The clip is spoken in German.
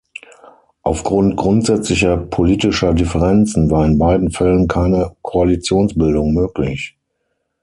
Aufgrund grundsätzlicher politischer Differenzen war in beiden Fällen keine Koalitionsbildung möglich.